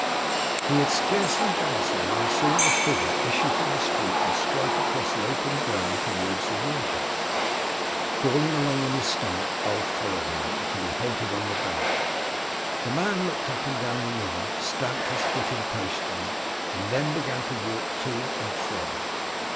He had scarcely done so when he saw the figure issue from the street and strike across the open ground towards the water. Crawling along on his stomach Ulf followed him, until he halted on the bank. The man looked up and down the river, stamped his foot impatiently, and then began to walk to and fro.